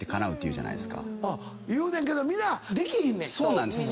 そうなんです。